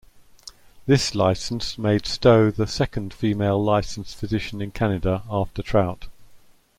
This license made Stowe the second female licensed physician in Canada, after Trout.